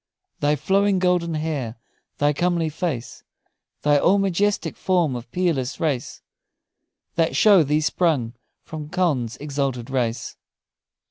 "Thy flowing golden hair, thy comely face, Thy all majestic form of peerless grace, That show thee sprung from Conn's exalted race."